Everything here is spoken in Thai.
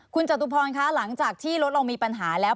คุณจตุพรคะหลังจากที่รถเรามีปัญหาแล้ว